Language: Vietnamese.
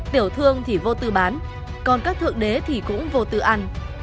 tiểu thương thì vô tư bán còn các thượng đế thì cũng vô tư ăn